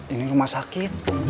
ini rumah sakit